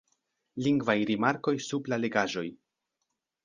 Lingvaj rimarkoj sub la legaĵoj.